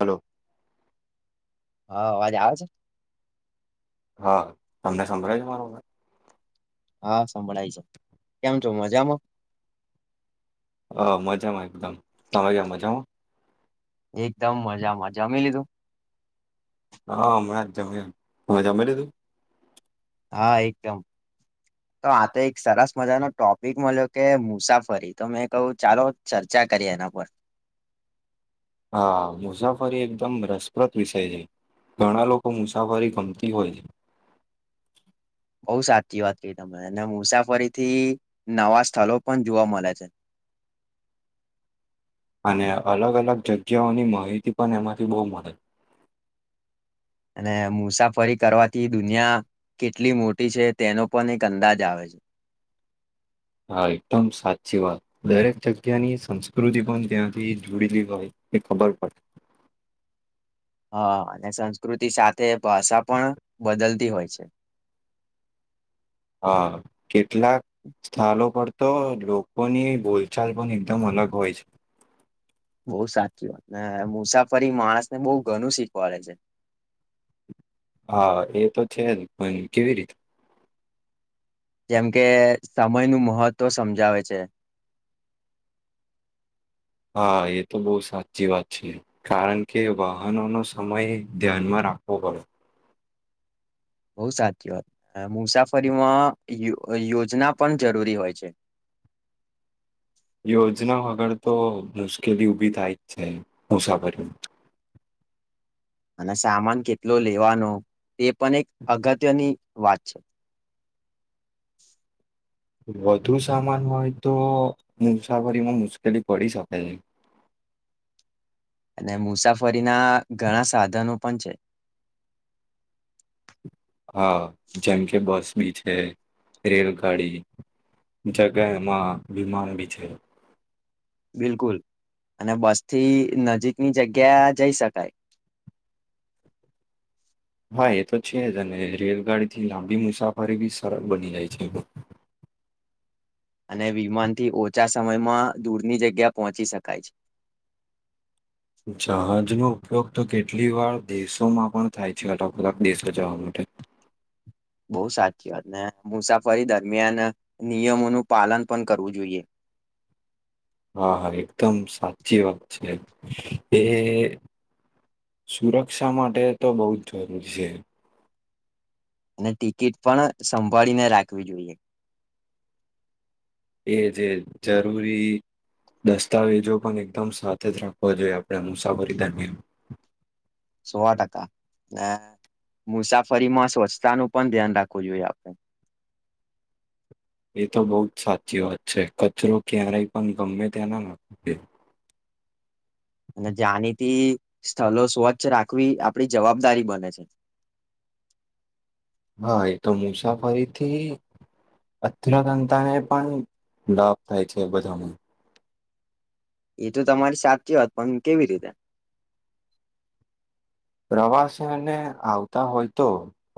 Hello. હા અવાજ આવે છે. હા તમને સંભળાય છે મારો અવાજ. હા સંભળાય છે કેમ છો મજામાં. હા મજામાં એકદમ તમે કેમ મજામાં. એકદમ મજામાં જમી લીધું હા અમણા જમયુ તમે જમી લીધું. હા એકદમ તો આ તો એક સરસ મજાનો ટોપિક મલ્યો કે મુસાફરી તો મેં કયું ચાલો ચર્ચા કરીએ એના પર હા મુસાફરી એકદમ રસપ્રદ વિષય છે. ઘણા લોકો મુસાફરી ગમતી હોય [inaudible] બઉ સાચી વાત કીધી તમે ને મુસાફરીથી નવા સ્થલો પણ જોવા મલે છે. [inaudible] અને અલગ અલગ જગ્યાઓની માહિતી પણ એમાંથી બોવ મલે. અને મુસાફરી કરવાથી દુનિયા કેટલી મોટી છે તેનો પણ એક અંદાજ આવે છે. [inaudible] હા એકદમ સાચી વાત દરેક જગ્યાની સંસ્કૃતિ પણ ત્યાંથી જુડીલી હોય. એ ખબર પડ [inaudible] હા અને સંસ્કૃતિ સાથે ભાષા પણ બદલતી હોય છે. [inaudible] હા કેટલાક સ્થાનો પર તો લોકોની બોલચાલ પણ એકદમ અલગ હોય છે. બો સાચી વાત ને મુસાફરી માણસ ને બોવ ઘણું શીખવાડે છે. [inaudible] હા એ તો છે જ ભઈ કેવી રીત જેમ કે સમય નું મહત્વ સમજાવે છે. [inaudible] હા એ તો બો સાચી વાત છે કારણ કે વાહનોનો સમય ધ્યાનમાં રા રાખવો પડે. બો સાચી વાત અ મુસાફરીમાં યોજ યોજના પણ જરૂરી હોય છે. [inaudible] યોજના વગર તો મુશ્કેલી ઉભી થાય જ છે મુસાફરી માં [inaudible] અને સામાન કેટલો લેવાનો એ પણ એક અગત્યની વાત છે. વધુ સામાન હોય તો મુસાફરીમાં મુશ્કેલી પડી શકે છે. અને મુસાફરીના ઘણા સાધનો પણ છે. હા જેમ કે બસ બી છે રેલગાડી જગ્યા એમાં વિમાન ભી છે. બિલકુલ અને બસ થી નજીકની જગ્યા જઈ શકાય. [inaudible] હા એ તો છે જ અને રેલગાડી થી લાંબી મુસાફરી બી સરળ બની જાય છે. [inaudible] અને વિમાનથી ઓછા સમયમાં દૂરની જગ્યા પહોંચી શકાય છે. [inaudible] જહાજનો ઉપયોગ તો કેટલી વાર દેશોમાં પણ થાય છે અલગ અલગ દેશો જવા માટે [inaudible] બો સાચી વાત ને મુસાફરી દરમિયાન નિયમોનું પાલન પણ કરવું જોઈએ. હા હા એકદમ સાચી વાત છે એ. સુરક્ષા માટે તો બહુ જ જરૂરી છે. અને ટિકિટ પણ સંભાળીને રાખવી જોઈએ. એ જે જરૂરી દસ્તાવેજો પણ એકદમ સાથે જ રાખવો જોઈએ આપણે મુસાફરી દરમિયાન. સોવા ટકા હ. મુસાફરીમાં સ્વચ્છતાનું પણ ધ્યાન રાખવું જોઈએ આપણે. એ તો બહુ જ સાચી વાત છે કચરો ક્યારેય પણ ગમે ત્યાંના નથી. અને જાયાનીથી સ્થળ સ્વચ્છ રાખવી આપડી જવાબદારી બને છે. હા એ તો મુસાફરીથી અથતતાને પણ લાભ થાય છે બધાનો. એ તો તમારી સાચી હોત પણ કેવી રીતે? પ્રવાસીને આવતા હોય તો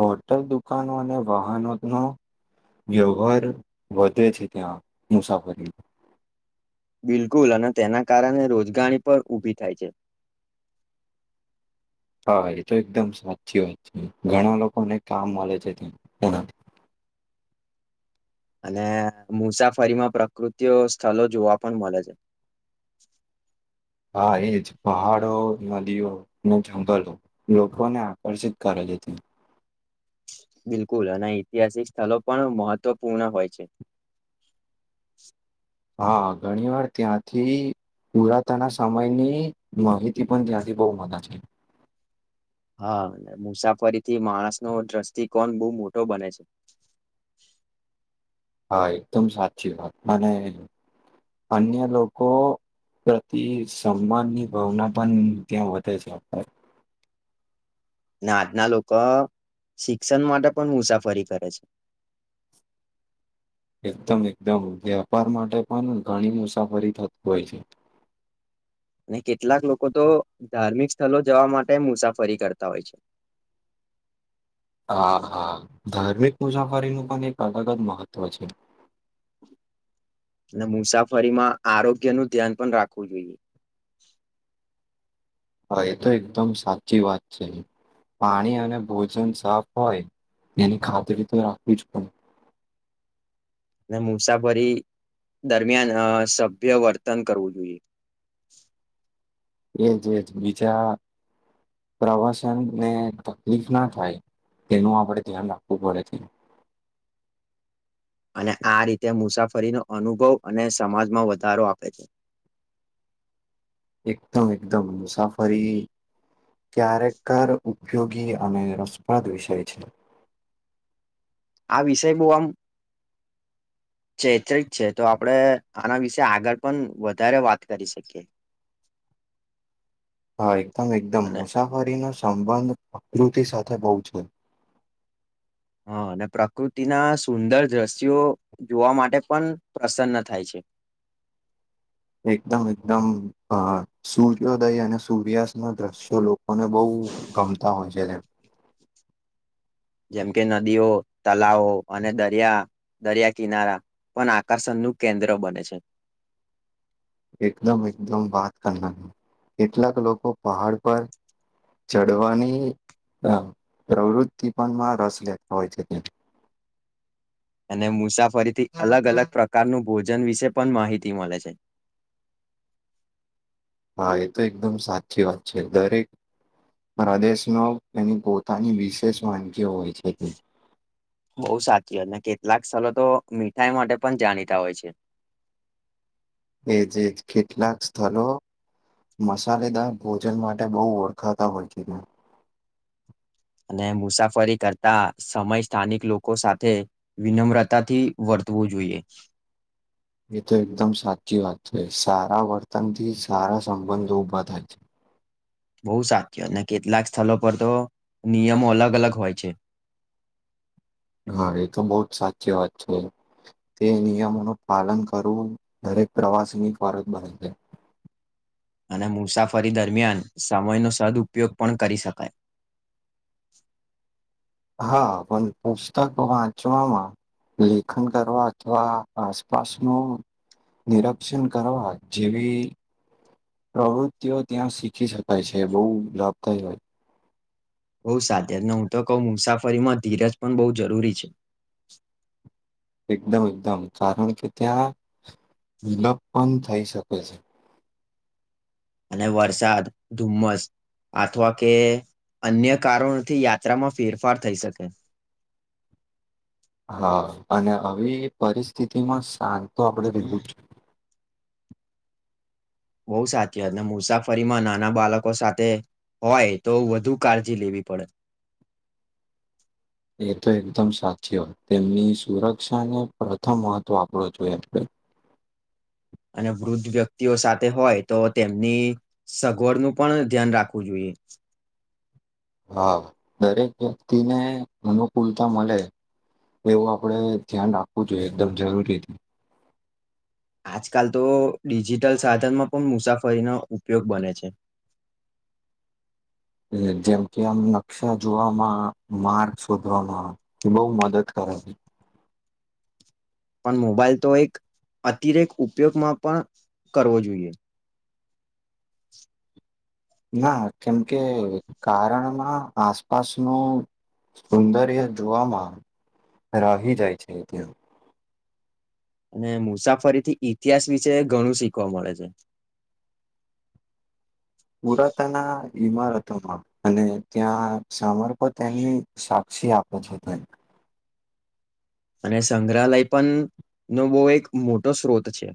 હોટલ દુકાનો અને વાહનો ન વ્યવહાર વધે છે ત્યાં મુસાફરી. બિલકુલ અને તેના કારણે રોજગારી પણ ઊભી થાય છે. હા એ તો એકદમ સાચી વાત છે, ઘણા લોકોને કામ મળે છે ત્યાંણા. અને મુસાફરીમાં પ્રકૃતિઓ સ્થળ જોવા પણ મળે છે. હા એજ પહાડો, નદીઓ, ને જંગલો લોકોને આકર્ષિત કરે છે. કરે છે. બિલકુલ અને ઐતિહાસિક સ્થળ પણ મહત્વપૂર્ણ હોય છે. [inaudible] હા ઘણી વાર ત્યાંથી પુરાતાના સમયની માહિતી પણ ત્યાંથી બહ મજા છે. હા મુસાફરી થી માણસ નો દ્રષ્ટિકોણ બહુ મોટો બને છે. [inaudible] હા એકદમ સાચી વાત મને અન્ય લોકો પ્રતિ સન્માનની ભાવના પણ ત્યાં વધે છે આપને. આજના લોકો શિક્ષણ માટે પણ મુસાફરી કરે છે. એકદમ એકદમ વેપાર માટે પણ ઘણી મુસાફરી થતી હોય છે. અને કેટલાક લોકો તો ધાર્મિક સ્થળ જવા માટે મુસાફરી કરતા હોય છે. હા હા. ધાર્મિક મુસાફરીનું પણ એક અલગ જ મહત્ત્વ છે. અને મુસાફરીમાં આરોગ્ય નું ધ્યાન પણ રાખવું જોઈએ. હા એ તો એકદમ સાચી વાત છે. પાણી અને ભોજન સાફ હોય, તેની ખાતરી તો રાખવી જ પડે. અને મુસાફરી દરમિયાન સભ્ય વર્તન કરવું જોઈએ. [inaudible] એ જે બીજા પ્રવાસન ને તકલીફ ના થાય. તેનું આપડણે ધ્યાન રાખવું પડે છે. [unintelligible] અને આ રીતે મુસાફરીનો અનુભવ અને સમાજમાં વધારો આપે છે. [unintelligible] એકદમ એકદમ મુસાફરી ક્યારેકર ઉપયોગી અને રસપ્રદ વિષય છે. આ વિષય બહ, આમ ચેતિત છે, તો આપણે આના વિશે આગળ પણ વધારે વાત કરી શકીએ [unintelligible] હા, એકદમ એકદમ અને મુસાફરીનો, સંબંધ પ્રકૃતિ સાથે બહુ છે. હા, અને પ્રકૃતિના સુંદર દ્રશ્યો જોવા માટે પણ પ્રસન્ન થાય છે. [unintelligible] એકદમ એકદમ અ સૂર્યોદય, અને સૂર્યાસ્તના દ્રશ્યો લોકોને બહ ગમતા હોય છે, જને જેમ, કે નદીઓ તલાવો, અને દરિયા, દરિયા કિનારા પણ આકર્ષણનું કેન્દ્ર બને છે. એકદમ, એકદમ વાત કરનારની, કેટલાક લોકો પહાડ પર ચડવાની હમ, પ્રવૃતિ પણમાં રસ લેતા હોય છે, તેમ અને મુસાફરીથી અલગ, અલગ પ્રકારનું ભોજન વિશે પણ માહિતી મળે છે. [unintelligible] હા, એ તો એકદમ સાચી વાત છે, દરેક પ્રદેશમા એની, પોતાની વિશેષ વાની બઉ સાચી, એ કે લાક સલોતો મીઠાઈ, માટે પણ જાણીતા હોય છે. એજ, કેટલાક સ્થળ મસાલેદાર ભોજન, માટે બહુ ઓળખાતા હોય છે. અને મુસાફરી કરતા સમય સ્થાનિક, લોકો સાથે વિનમ્રતાથી વ વધવું, જોઈએ એ તો એકદમ સાચી વાત છે, સારા વર્તનથી સારા સંબંધો ઉઊભા થાય છે. બહુ સાચ્ય અને કેટલાક સ્થળ પર, તો નિયમો અલગ અલગ હોય છે. [unintelligible] હા, એ તો બહજ સાચી વાત છે, તે નિયમો ન પાલન કરવું એક પ્રવાસની ખ્વારત બન છે. [unintelligible] અને મુસાફરી દરમિયાન સમયનો, સદઉપયોગ પણ કરી શકાય [unintelligible] હા, પણ પુસ્તક વાંચવામાં લેખન કરવા, અથવા આસપાસ ન નિરક્ષણ કરવા જેવી, પ્રવૃતિઓ ત્યાં શ ચી શકાય છે, બહુ લાભ થાય હોય. બહુ સાધ્ય જન હું, તો કહ મુસાફરીમાં ધીરજ પણ બહુ જરૂરી છે. એકદમ એકદમ કારણ કે, ત્યાં વિલપ પણ થઈ, શકે છે. અને વરસાદ ધુમ્મસ અથવા કે અન્ય કારણોથી યાત્રામાં ફેરફાર થઈ, શકે હા, અને આવી પરિસ્થિતિમાં શાંત તો આપણેે રહેવું છે. બહુ સાચી, મુસાફરીમાં નાના બાળકો સાથે હોય, તો વધુ કાળજી લેવી પડે એ તો એકદમ સાચી હોય, તેમની સુરક્ષાને પ્રથમ મહત્વ આપણો જોઈ, આપણે અને વૃદ્ધ વ્યક્તિઓ સાથે હોય, તો તેમની સગવડનું પણ ધ્યાન રાખવું જોઈએ [inaudible] હા, દરેક વ્યક્તિને, અનુકૂલતા મળે એવું આપડે ધ્યાન રાખવું, જોઈએ એકદમ જરૂરીથી આજકાલ, તો ડિજિટલ સાધનમાં પણ મુસાફરીનો ઉપયોગ બને છે. [inaudible] જેમ કે આમ નકશા જોવામાં માર શોધવામાં એ બહુ મદદ કર [inaudible] પણ મોબાઈલ તો એક અતિરેક ઉપયોગમાં પણ કરવો જોઈએ ના કેમકે કારણમાં આસ સ નું સૌંદર્ય જોવામાં રાહી જાય છે ત્યાં. અને મુસાફરીથી ઇતિહાસ વિશે ઘણું શીખવા મળે છે. [inaudible] પુરાતના ઈમારતોમાં અને ત્યાં સાર્પ તેની સા ક્ષી આપે છે અને સંગ્રહાલય પણ નો બહુ એક મોટો સ્ત્રોત છે.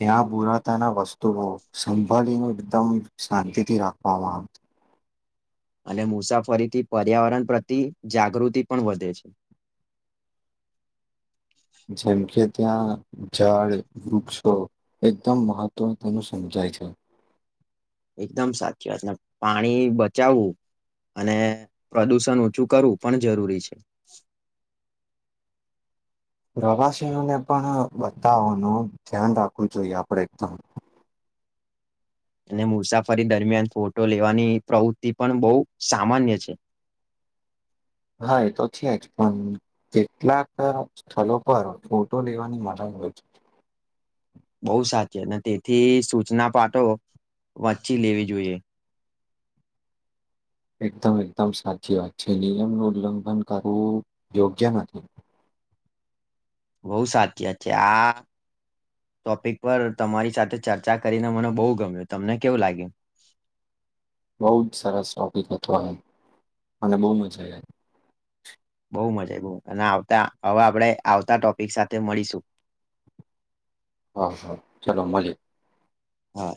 ત્યાં પુરાતાના વસ્તુઓ સંભાળીને એકદમ શાંતિથી રાખવામાં આવતી અને મુસાફરીથી પર્યાવરણ પ્રતિ જાગૃતિ પણ વધે છે. [inaudible] જેમ કે ત્યાં જળ, વૃક્ષો એકદમ મહત્વ તેનું સમજા ય છે. એકદમ સાચી વાત, ને પાણી બચાવવું અને પ્રદુષણ ઓછું કરવું પણ જરૂરી છે. પ્રવાસીઓને પણ બતાવાોનું ધ્યાન રાખવું જોઈએ આપણે એકદમ અને મુસાફરી દરમિયાન ફોટો લેવાની પ્રવૃત્તિ પણ બહુ સામાન્ય છે. [inaudible] હા એ તો છે જ પણ કેટલાક સ્થળ પર ફોટો લેવાની મજ હોય છે. [inaudible] બહુ સાચી અને તેથી સૂચના પાઠો વાચી લેવી જોઈએ. એકદમ એકદમ સાચી વાત છે નિયમ નો ઉલ્લંઘન કરવું યોગ્ય નથી. બહુ સાચી છે આ ટોપિક પર તમારી સાથે ચર્ચા કરીને મને બહુ ગમ્યું, તમને કેવું લાગ્યું? [inaudible] બહુ જ સરસ ટોપિક હતો આ, મને બઉ મજા આ બો મજા આવી અને આવતા હવે આપણે આવતા ટોપિક સાથે મળીશું. હા હા ચલો મળીયે. હા.